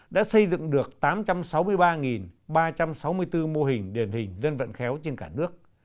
đã xây dựng được tám trăm sáu mươi ba ba trăm sáu mươi bốn mô hình điển hình dân vận khéo trên cả nước